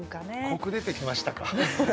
コク出てきましたか。